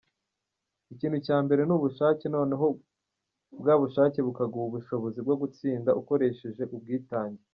Ikintu cya mbere ni ubushake , noneho bwa bushake bukaguha ubushobozi bwo gutsinda , ukoresheje ubwitange.